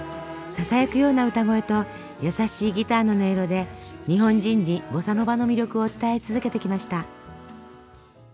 ささやくような歌声と優しいギターの音色で日本人にボサノバの魅力を伝え続けてきました。